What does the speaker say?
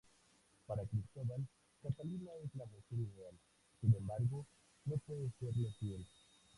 Para Cristóbal, Catalina es la mujer ideal, sin embargo no puede serle fiel.